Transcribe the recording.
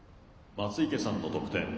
松生さんの得点。